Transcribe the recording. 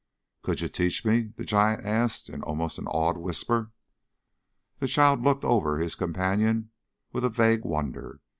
"Could you teach me?" the giant asked in an almost awed whisper. The child looked over his companion with a vague wonder.